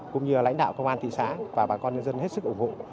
cũng như lãnh đạo công an thị xã và bà con nhân dân hết sức ủng hộ